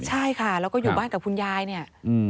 ใช่ค่ะแล้วก็อยู่บ้านกับคุณยายเนี่ย